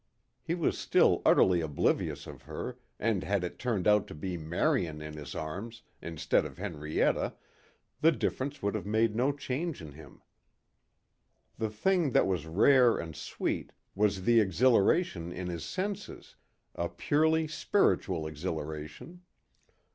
He was still utterly oblivious of her and had it turned out to be Marion in his arms instead of Henrietta the difference would have made no change in him. The thing that was rare and sweet was the exhilaration in his senses a purely spiritual exhilaration.